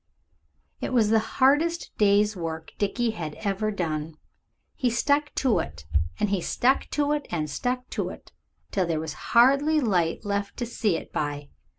It was the hardest day's work Dickie had ever done. He stuck to it and stuck to it and stuck to it till there was hardly light left to see it by.